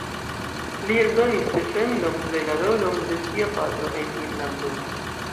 Li eldonis defendon de la rolon de sia patro en Irlando.